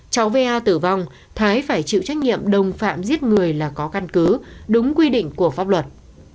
cháu va tử vong thái phải chịu trách nhiệm đồng phạm giết người là có căn cứ đúng quy định của pháp luật